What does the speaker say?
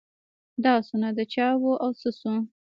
دا آسونه د چا وه او څه سوه.